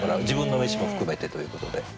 自分の飯も含めてということで。